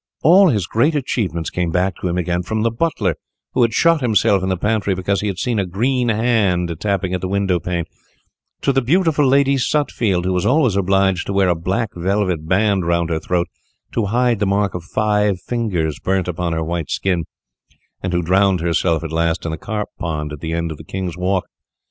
All his great achievements came back to him again, from the butler who had shot himself in the pantry because he had seen a green hand tapping at the window pane, to the beautiful Lady Stutfield, who was always obliged to wear a black velvet band round her throat to hide the mark of five fingers burnt upon her white skin, and who drowned herself at last in the carp pond at the end of the King's Walk.